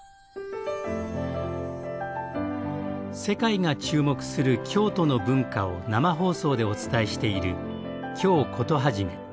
世界が注目する京都の文化を生放送でお伝えしている「京コトはじめ」。